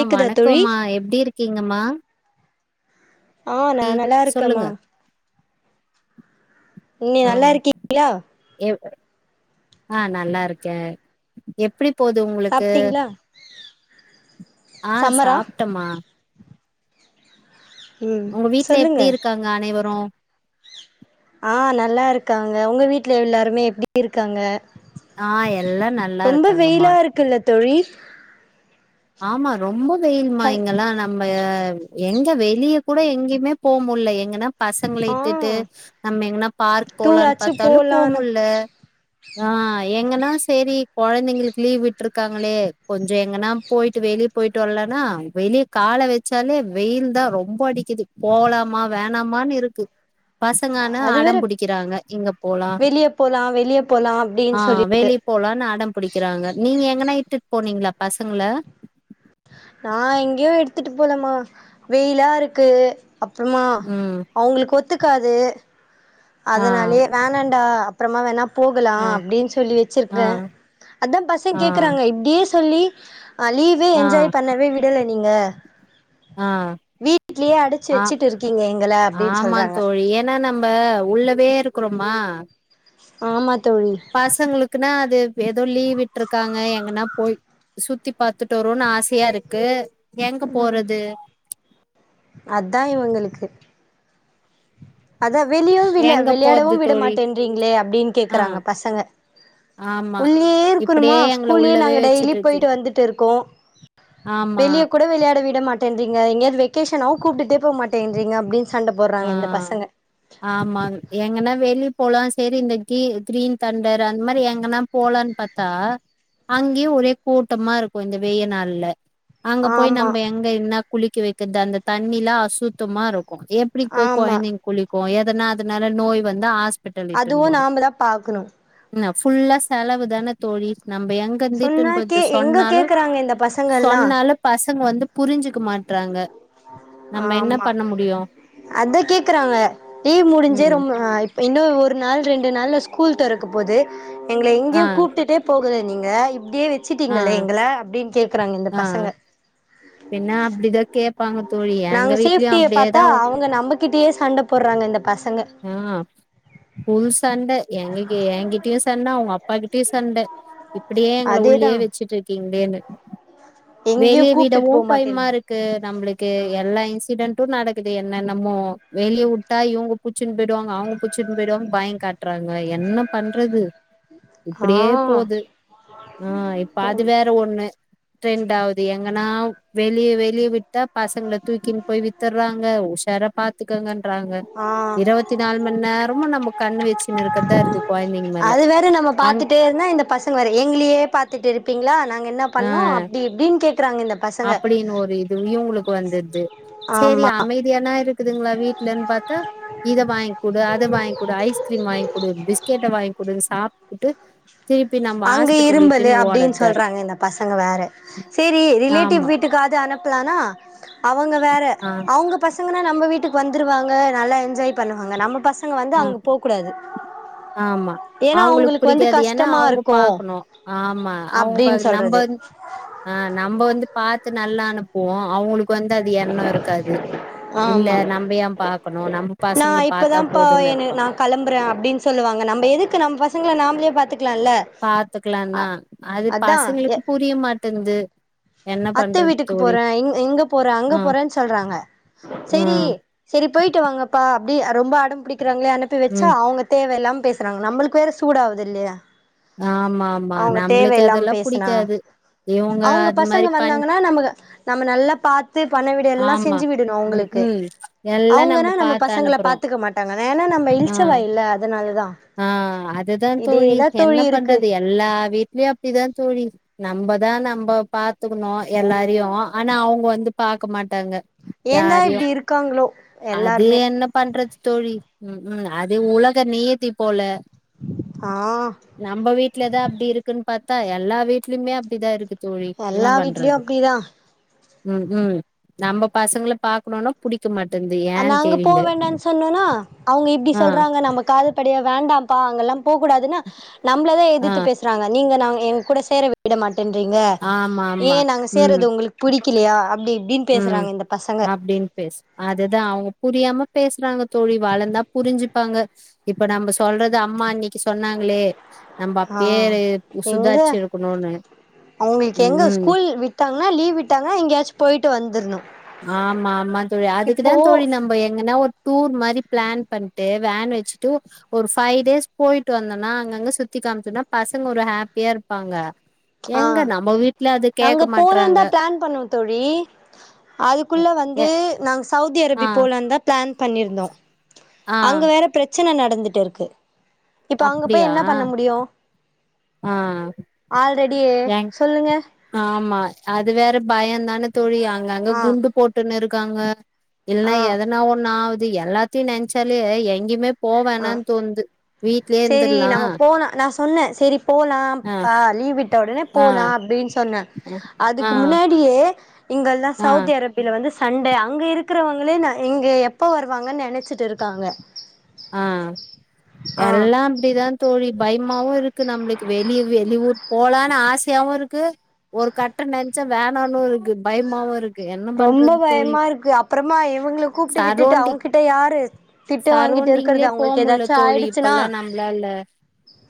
ஆஹ் தோழி வணக்கம்மா எப்டி இருக்கீங்கம்மா ஆஹ் நான் சொல்லுங்க நல்லாருக்கேமா நீங்க நல்லாருக்கீங்களா ஆஹ் நல்லாருக்கே எப் எப்டி போது உங்களுக்கு சாப்ட்டீங்களா ஆ சம்மரா சாப்ட்டமா ம் உங்க வீட்டு்ல சொல்லுங்க எப்படி இருக்காங்க அனைவரும் ஆ நல்லா இருக்காங்க உங்க வீட்டு்ல எல்லாருமே எப்படி இருக்காங்க ஆ எல்லாம் நல்லா ரொம்ப இருக்காங்கம்மா வெயிலா இருக்குல்ல தோழி ஆமா ரொம்ப வெயில் மா ஹல் இங்கலா நம் நம்ம எங்க வெளிய கூட எங்கேயுமே போ முடில எங்கனா பசங்களை ஆ இட்டுட்டு நம்ம எங்கன்னா பார்க் டூர் போலாம்னு ஆச்சு பார்த்தாலும் போலான்னு போமுடியல ஆ எங்கன்னா செரி குழந்தைங்களுக்கு லீவ் விட்டுருக்காங்களே கொஞ்சோ எங்கன்னா போயிட்டு வெளியே போயிட்டு வரலன்னா வெளியே கால வச்சாலே வெயில் தான் ரொம்ப அடிக்குது போலாமா வேண் னாமான் இருக்கு பசங்க ஆனா அது வேற அடம் புடிக்குறாங்க இங்க போலா வெளிய போலா வெளிய போலா ஆ அப்டின்னு சொல்லிட்டு வெளி போலானு அடம்புடிக்கிறாங்க நீங்க எங்கனா இட்டுட்டு போனிங்ளா பசங்கள நா எங்கயு எடுத்துட்டு போலமா வெயிலா இருக்கு அப்புறமா ம் அவங்களுக்குத் த்துக்காது ஆ அதனாலயே வேணடா அப்புறமா வேணா போகலாம் ஆ அப்படின்னு சொல்லி ஆ வச்சிருக்கேன் அதான் ஆ பசங் கேகறாங்க இப்டியே சொல்லி அ லீவே ஆ என்ஜாய் பண்ணவே விடல நீங்க ஆ ஆ வீட்லயே அடச்சு ஆ வச்சுட்டு இருக்கீங்க எங்கள அப்டின்னு ஆமா சொல்றாங்க தோழி ஏன்னா நம்ப உள்ளவே இருக்றோமா ஆ மத்த பசங்களுக்குனா அது ஏதோ லீவி்ட்டு ருக்காங்க எங்கனா போய் சுத்தி பாத்துட்டு வருவோனு ஆசையா இருக்கு எங்க போறது அதான் இவங்களுக்கு அதான் வெளியும் விள எங்க போறது விளையாடவும் விட தோழி மாட்டேன்றீங்களே அப்டின்னு ஆ கேக்குறாங்க பசங்க ஆமா உள்ளயே இருக்கணுமா இப்டியே எங்கள ஸ்கூலயே உள்ளவே நாங்க டெய்லி வச்சுட்ருக்கி போயிட்டு வந்துட்டு இருக்கோ ஆமா வெளிய கூட விளையாட விட மாட் டேன்றீங்க எங்கயாவ்து வெக்கேஷனாவும் கூப்பிட்டு போமாட்டேன்றீங்க அப்டின்டு சண்ட ஆ போட்றாங்க இந்த பசங்க ஆமா எங்கன்னா வெளி போலா சரி இந்த கீ கிரீன் தண்டர் அந்த மாரி எங்கன்னா போலன்னு பாத்தா அங்கேயும் ஒரே கூட்டமா இருக்கும் இந்த வெயநாள்ல அங்க போய் ஆமா நம்ம எங்க என்ன குளிக்க வைச் கு அந்த தண்ணிலா அசுத்தமா இருக்கும் எப்டி போய் ஆமா கொழந்தங்க குளிக் கு எதனா அதனால நோய் வந்து ஆஸ் அதுவும் நாம தான் பாக்கணும் என்ன ஃபுல்லா செலவு தான தோழி நம்ம சொன்னா எங்கந்துட்டுன்னு கே போற்து எங்க சொன்னாலும் கேக்குறாங்க இந்த பசங்கல்லா சொன்னாலும் பச பசங்க வந்து புரிஞ்சுக்க மாட்றாங்க நம்ம என்ன பண்ண முடியும் அதான் கேக்குறாங்க லீவ் முடிஞ்சே ரொம்ப இப் இன்னு ஒரு நாள் ரெண்டு நாள் ஸ்கூ ஸ்கூல் தெறக்க போது எங்கள ஆ எங்கேயும் கூப்புட்டுட்டே போக [unintelligible] நீங்க இப் அப்டியே ஆ வச்சுட்டீங்களே எங்கள அப்டின் கேக்குறாங்க இந்த ஆ பசங்க பின்ன அப்டிதா கேப்பாங்க தோழி எங்க நாங்க வீட்லயு சேஃப்டிய பாத்தா அப்டியேதா அவுங்க நமக் கிட்டியே சண்ட போட்றாங்க இந்த பசங்க ஆ ஃபுல் சண்ட எங்கிகெ என்கிட்டயு சண்ட அவுங்கப்பா கிட் டியு சண்ட இப்டியே எங்கள அதேதா உள்ளயே வெச்சிட்ருக்கீங்ளேன்னு எங்கேயு வெளிய கூப்ட்டுட்டு விடவு போ பயமா மாட்டேன்னு இருக்கு நம்ளுக்கு எல்லா இன்சிடன்ட் டு நடக்குது என்னென்னமோ வெளிய வுட்டா இவுங்க பு புச்சுன் போயிடுவாங்க அவுங்க புச்சுன்னு போயிடுவாங்க பயங் காட்றாங்க என்ன பண்றது இப்டியே ஆ போது ஆ இப்ப அது வேற ஒண்ணு ட்ரெண்டாவுது எங்கனா வெளிய வெளிய விட்டா பசங்ள தூக்கின் போய் வித்தர்றாங்க உஷாரா பாத்துக்கங்கன் ஆ நேரமு நம்ம கண்ணு வச்சுன்னு இருக்கதா இருக்கு கொழந்தைங்க மேல அது வேற நம்ம அங் பாத்துட்டே இருந்தா இந்த பசங்க வேற எங்ளையே பாத்துட்டிருப்பீங்ளா நாங் என்னா பண்ணோ அப்டி இப்டின் கேட் அப்படின்னு ஒரு இது வியு உங்களுக்கு வந்துர்து சரி ஆமா அமைதியானா இருக்குதுங்ளா வீட்ல ம் பாத்தா இத வாய்ங்குடு அத வாய்ங்குடு ஐஸ்க்ரீம் வாய்ங் குடு பிஸ்கேட்ட வாய்ங்குடு சாப்டுட்டு அங்க இரும்பலயா அப்டின் இருக்கு சொல்றாங்க இந்த பசங்க வேற சேரி ரிலேட்டிவ் ஆமா வீட்டுக்காது அனுப் ப்ளானா அவுங்க வேற ஆ அவுங்க பசங்கனா நம்ம வீட்டுக் கு வந்துருவாங்க நல்லா என்ஜாய் பண்ணுவாங்க நம்ம பச ங்க வந்து ஆ அங்க போ கூடாது ஆமா ஏனா அவங்களுக்கு அவுங்களுக்கு வந்து புடிக்காது ஏன்னா கஷ்டமா அவங்க இருக் பாக்கணு ஆமா அவுங்க ப நம்ப சொல்றது வந்து ஆ நம்ப வந்து பாத்து நல்லா அனுப்புவோ அவுங்களுக்கு வந்து அது எண்ணோ இருக்காது இல்ல ஆமா நம்ப ஏ பாக்கணு நம்ப பசங்கள பாத்தா போ போதுன்னு எனு நா இருப்பாங்க கிளம்புற அப்டின் சொல்லுவாங்க நம்ப எதுக்கு நம்ம பசங்கள நாம்லே பாத்துக் பாத்துக்லாந்தா அது அதா எ பசங்களுக்கு புரிய மாட்டின்து அத்த வீட்டுக்கு போற இங் இங்க போற அங்க ஆ போறனு சொல்றாங்க சேரி ஆ செரி போய்ட்டு வாங்கப்பா அப்டி ரொம்ப அடம்புடிக்கு ராங்களே அனுப்பி வெச்சா ம் அவுங்க தேவயில்லாம பேசுறாங்க நம்ளுக்கு வேற சூடாவுதில்லயா ஆமா ஆமா நம்மளுக்கு அதெல்லா பேசுனா புடிக்காது இவங்க அவங்க அது பசங்க மாரி பண் வந்தாங்கன்னா நம்ம நம்ம நல்லா பாத்து பணி விட எல்லா ஆமா செஞ்சு விடணு ம் அவுங்களுக்கு ம் எல்லா அவுங்கன்னா நம்ம பாத்து பசங்கள அனுப்புறோ பாத்துக்க மாட்டாங்க ஏனா நம்ம ஆ இல்ச்சவாயில்ல அதனாலதா ஆ அதுதா தோழி இதேதா என்ன தோழி இருக்கு பண்றது எல்லா எல்லா வீட்லயு அப்படிதான் தோழி நம்மதான் நம்ம பாரத்துக்கணும் எல்லாரையும் ஆனா அவங்க வந்து பாக்க மாட்டாங்க ஏந்தா யாரையு இப்படி இருக்காங்களோ அது எல்லாருமே என்ன பண்றது தோழி ம் அது உலக நியதி போல ஆ நம்ம வீட்லதான் அப்படி இருக்குன்னு பார்த்தா எல்லா வீட்லயுமே அப்படிதான் இருக்கு தோழி என்ன எல்லா பண்றது வீட்லயும் அப்படிதான் ம் ம் நம்ம பசங்க பாக்கணும்னா புடி நாங்க போ வேண்டன்னு சொன்னோனா அவங்க இப்படி ஆ சொல்றாங்க நம காது அப்படியா வேண்டாம்ப்பா அங்கெல்லாம் போக கூடாதுன்னா நம்மள ஆ எதிர்த்து பேசுறாங்க நீங்க நாங்க எங்க கூட சேர விடமா [unintelligible] ன்றீங்க ஆமா ஆமா ஏன் நாங்க ம் சேர்றது உங்களுக்கு பிடி ல்லையா அப் ம் அப்படின்னு பேச அதுதான் அவன் புரியாம பேசுறாங்க தோழி வளர்ந்தா புரிஞ்சு இருப்பாங்க இப்ப நம்ம சொல்றது அம்மா அன்னைக்கு சொன்னாங்களே நம்ம ஆ அப்பயே எங்க சுதாரிச்சு இருக்கணும்னு அவங்களுக்கு எங்க ம் ஸ்கூல் விட்டாங்கன்னா லீவ் விட்டாங்கன்னா எங்கயாச்சும் போயிட்டு வந்து தணும் ஆமா ஆமா தோழி அதுக்குதான் தோழி நம்ப எங்கன்னா ஒரு டூர் மாரி பிளான் பண்ணிட்டு வேன் வச்சுட்டு ஒரு பஃபைவ் டேஸ் போயிட்டு வந்தோனா அங்கங்க சுத்தி காமிச்சோம்னா பசங்க ஒரு ஹாப்பியா இருப்பாங்க ஆ எங்க நம்ம வீட்ல அது அங்க கேக்க மாட்றாங்க போலந்தா பிளான் பண்ணுவோம் தோழி அதுக்குள்ளே எ வந்து நாங்க சவுதி ஆ அரேபி போல இருந்தால் ன் பண்ணியிருந்தோம் ஆ அங்க வேற பிரச் பிரச்சனை நடந்துட்டு இருக்கு இப்ப அங்க போய் அப்டியா என்ன பண்ண முடியும் ஆ ரெடியே எங் சொல்லுங்க ஆமா அது வேற பயம்தான தோழி அங்க அங்க ஆ குண்டு போட்ட நெரு க்காங்க இல்னா ஆ எத ந ஒன்னாவ்து இது எல்லாத்தையு நெனச்சாலே எங்கயுமேப் போவேனானு தோந்து சரி நம்ம போலா நா சொன்னே சரி ஆ போலாம்ப்பா லீவ் விட்டோ உடனே ஆ போலா அப்டின்னு சொன்ன ஆ அதுக்கு முன்னாடியே இங்கல்லா ஆ ஆ சவுதி அரேபில வந்து ஸ் சண்ட அங்க இருக்கிறவங்களே நா இங்க எப்போ வருவாங்கன்னு நெனச்சிட்டு இருக்காங்க ஆ ஆ எல்லா அப்படிதா தோழி பயமாவு இருக்கு நம்மளுக்கு வெளிய வெளியூர் போலானு ஆசையாவு இருக்கு ஒரு கட்டணன் ச்ச வேணானு இருக்கு பயமாவு இருக் ரொம்ப பயமா இருக்கு அப்புறமா இவங்கள கூப்பிட்டு விட்டுட்டு சரோண்டிங் அவங்ககிட்ட யாரு திட்டு வாங்கிட்டு இருக் சரோண்டிங்லயே கிறது போ அவங்களுக்கு முல்ல ஏதாச்சும தோழி ஆயிடுச்சுன்னா இப்பல்லா நம்ளால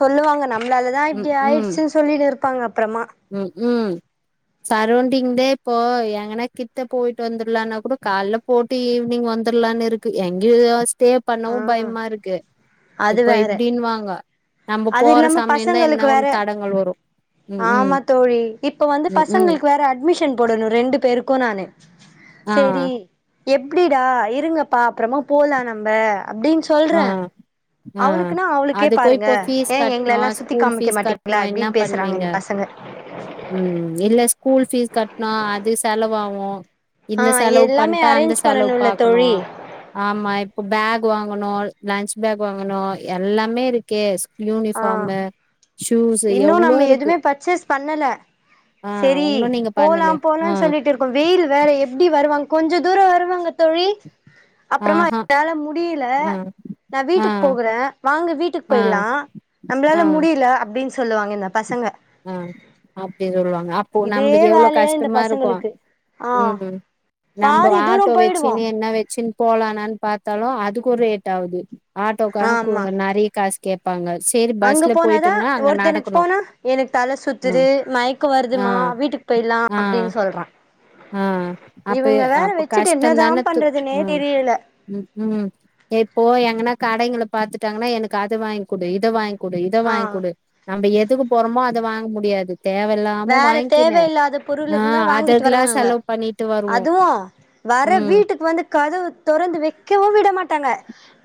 சொல்லுவாங்க நம்மளாலதா ம் இப்டி ம் ஆயிடுச்சுன்னு சொல்லின்னு இருப்பாங்க அப்புறமா சரெளண்டிங்லே இப்போ எங்கன்னா கித்த போயிட்டு வந்துலான்னா கூட கால போட்டு ஈவினிங் வந்துரலான்னு இருக்கு எங்யோஸ் டே ஆ பண்ணவும் பயமா இருக்கு அது இப்ப வேற இப்டின்னுவாங்க நம்ம அது போற இல்லாம சமயம்தா பசங்களுக்கு என்ன வேற ஒண்ணு தடங்கள் வரும் உம் உம் ஆமா தோழி இப்ப வந்து உம் உம் பசங்களுக்கு வேற அட்மிஷன் போடணு ரெண்டு பேருக்கு நானு ஆ ஆ செரி எப்டிடா இருங்கப்பா அப்புறமா போலானாம் ம்ப அப்டின்னு ஆ சொல்றே ஆ அவளுக்குன்னா அவளுக்கே அதுக்கோ பாருங்க இப்ப பீஸ் ஏ எங்கள கட்ணு எல்லா சுத்தி ஸ்கூல் காமிக்க பீஸ் கட்ணு மாட்டீங்களா என்ன இப்டின்னு பேசுறாங்க பண்ணுவிங்க இந்த பசங்க ம்ம் இல்ல ஸ்கூல் பீஸ் கட்ணா அது செலவா ஆவு ஆ இந்த செலவு எல்லாமே பண்ட்டா அந்த அரேஞ்ச் செலவு பண்ணணுல்ல பாக்கணு தோழி ஆமா இப்ப பேக் [unintelligible] லன்ச் பேக் வாங்கணு எல்லாமே இருக்கே ஸ் ஆ இன்னு எவ்ளோ நம்ம இருக்கு எதுவுமே பர்ச்சேஸ் பண்ணல ஆ செரி ஒன்னு நீங்க போலா பண்ணலயா ஆ போலாம்னு சொல்லிட்ருக்கோ வெயில் வேற எப்டி வருவாங் கொஞ்சோ தூரோ வருவாங்க தோழி அப்றமா ஆஹா என்னால முடில ஆ நா ஆ வீட்டுக்கு போகற வாங்க வீட்டுக்கு ஆ போய்லா ஆ நம்ளால முடியில அப்டின் சொல்லுவாங்க இந்தப் பசங்க ஆ அப் அப்டி சொல்வாங்க அப்போ இதே நம்ளுக்கு எவ்ளோ வேலையா இந்த கஷ்டமா இருக்கு பசங்களுக்கு ஆ ம்ஹூம் நம்ம பாதி தூரோ ஆட்டோ போயிடுவோ வெச்சுன்னு என்ன வெச்சுன்னு போலானானு பாத்தாலும் அதுக்கு ஒரு ரேட் ஆவுது ஆட்டோக்கார கு ஆமா நெறய காசு கேப்பாங்க சேரி அங்க பஸ்ல போனாதா போயிட்டோனா அங்க ஒருத்தனுக்கு நடக்கணு போனா எனக்கு தல சுத்துது ம் மயக்க ஆ வருதுமா வீட்டுக்கு போயிலாம் ஆ அப்டின்னு சொல்றான் ஆ அப்ப அப்ப வச்சுட்டு கஷ்ட என்னதா தான து பண்றதுன்னே ம் தெரியல ம் இப்போ எங்கனா கடைங்கள் பாத்துட்டாங்கன்னா எனக்கு அத வாங்கிக்குடு இத வாங்கி கொடு இத ஆ வாங்கி கொடு நம்ம ஏத் எதுக்கு போறோமோ அத வாங்க முடியாது தேவயில்லாம வேற வாங்கிக்கினு தேவையில்லாத ஆ பொருளுக்குநா வாங்கிட்டு அதெல்லா வருவா ங்க செலவு பண்ணிட்டு வருவோ அதுவு வர ம் வீட்டுக்கு வந்து கதவு தொறந்து வெக்கவு விட மாட் தங்க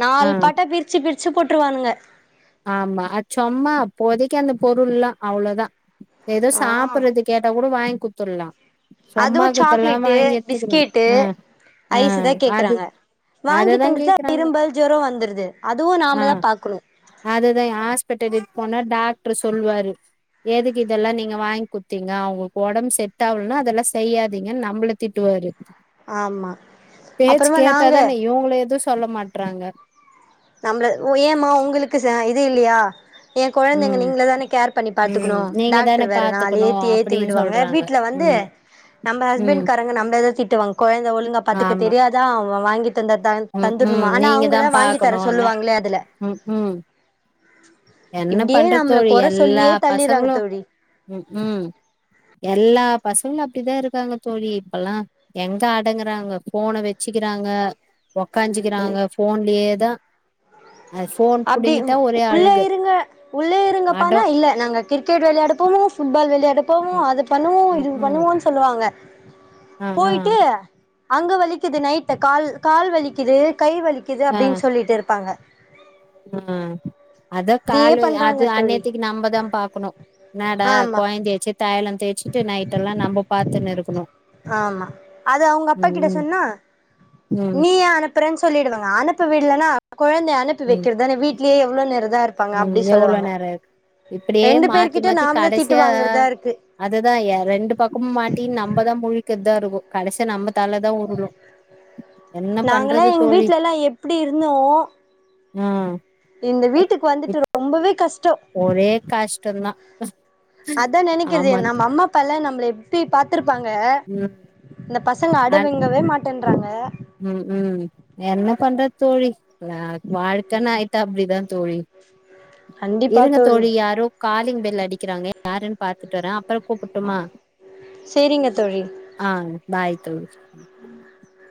நாலு ஆ பாட்ட பிரிச்சு பிரிச் வச்சு போட்ருவானுங்க ஆமா சொம்மா அப்போதைக்கு அந்த பொருள்லா அவ்ளோதான் ஏதோ ஆ சாப்படுறது கேட்டாகு கூட வாங்கி குத்தர்லாம் அதுவு சாக்லேட்டு பிஸ்கெட்டு அ, அ ஐஸ் தா அது கேக்கறாங்க வாங்கி அததான் தந்துது கேக்குறாங்க. இரும்பல் ஜொரம் வந்துடுது அதுவு நாம தா பாக்கணு அததா ஹாஸ்பிட்டலக்கு போனா டாக்டர் சொல்வாரு எதுக்கு இதெல்லா நீங்க வாங்கிக்குத்தீங்க அவங்ளுக்கு ஒடம்பு செட் ஆலன்னா அதெல்லா செய்யாதீங்கன்னு நம்மள திட்டுவாரு ஆமா பேச்சு அப்புறமா நாங்க கேட்டாதானே இவங்கள எதவு சொல்ல மாட்றாங்க நம்மள ஏமா உங்களுக்கு இது இல்லயா என் கொழந்தைங்க ம், நீங்களதான கேர் பண்ணி ம் பாத்துக்கணு நீங்க டாக்டர் தானே வேற நாளு பாத்துக்கணும் ஏத்து ஏத்தி அப்படின்னு விடுவாங்க சொல்றாங்க. வீட்ல வந்து ம், நம்ம ம் ஹஸ்பண்ட் காரங்க நம்மளே தா திட்டுவாங்க கொழந்தை ஒழுங்கா பாத்துக்க ஆமா. தெரியாதா வாங்கிட் தந்த ம், ம் தந்தர்ணுமா ஆனா நீங்க அவங்க தா வாங்கி த [unintelligible] ம் ம் என்ன இப்டியே பண்ற நம்மள தோழி கொற எல்லா சொல்லியே தள்ளிறாங்க பசங்களும் தோழி ம்ஹும் எல்லா பசங்களும் அப்டிதான் இருக்காங்க தோழி இப்பல்லாம் எங்க அடங்குறாங்க போன வெச்சுக்கிறாங்க உக்காஞ்சுக்கிறாங்க போன்லேயே த அது ஃபோன் அப்டி புடிங்கிட்டா ஒரே அழுகு உள்ள உள்ளேயேருங்கப்பானா அடோ இல்ல நாங்க கிரிக்கெட் விளையாட போனோ ஃபுட்பால் விளையாட இப்பவும் ம் அது பண்ணுவோம் ம் இது ம் பண்ணுவோன் சொல்லுவாங்க ஆ ங்க ஆ போயிட்டு அங்க வலிக்குது நைட்ல கால் கால் வலிக்குது கை வலிக்குது அப்டின்னு சொல்லிட்டுருப்பாங்க உம் இதையே அதாக்கால அது பண்றாங்க தோழி அன்ணேத்தைக்கு நம்பதான் பாக்கணும் என்னடா ஆமா கோயந்தையச்ச தயலம் தேய்ச்சிட்டு நைட்டெல்லாம் நம்பா பாத்துனுருக்கனும் ஆமா அது அவ்ங்க அப்பா கிட்ட சொன்னா ம் நீ ஏன் அனுப்புறன் சொல்லிடுவாங்க அனுப்ப விடலன குழந்தையனுப்பி வைக்கிறதான வீட்லயே எவ்ளவ் நேரந்தா இரு உம் எவ்ளோ நேரம் ருக் இப்படியே ரெண்டு மாத்தி பேர்கிட்ட மாத்தி நாம தா திட்டு கடைசியா வாங்குறதா இருக்கு அதுதான் ரெண்டு பக்கமும் மாட்டின்னு நம்பதான் மு ளிக்கதாருகும் கடசியா நம்ப பண்றது நாங்கலாம் எங்க தோழி வீட்லல்லாம் எப்டியிருந்தோம் ஹம் ரொம்பவே கஷ்ட ஒரே கஷ்டந்தா அதா நெனைக்கிறது ஆமா நம்ம அம்மா அப்பால்லா எப்டி பாத்திருப்ப பாங்க ம் இந்த பசங்க அடவேங்கவே மாட் டேன்றாங்க உம் உம் என்ன பண்றத் தோழி வா வாழ்க்கன்னாயிட்டா அப்டிதான் தோழி இருங்க தோழி யாரோ காலிங் பெ ல் யடிக்கிறாங்க யாருன் பாத்துட்டு வரேன் சேரிங்க தோழி ஆ பாய் தோழி [inaudible] [unintelligible]